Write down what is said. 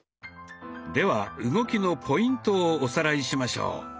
では動きのポイントをおさらいしましょう。